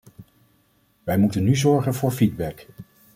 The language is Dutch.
Wij moeten nu zorgen voor feedback.